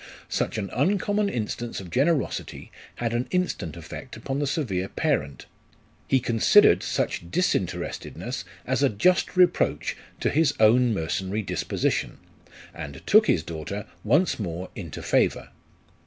Such an uncommon instance of generosity had an instant effect upon the severe parent : he considered such disinterestedness as a just reproach to his own mercenary disposition, and took his daughter once more into favour.